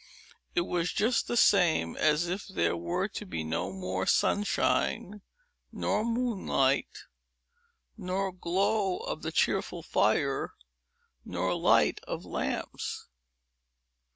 It was just the same as if there were to be no more sunshine, nor moonlight, nor glow of the cheerful fire, nor light of lamps.